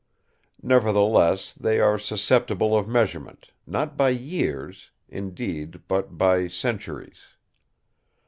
Nevertheless, they are susceptible of measurement, not by years, indeed, but by centuries.